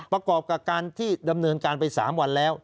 ประกอบกับการที่ดำเนินการไป๓วันแล้ว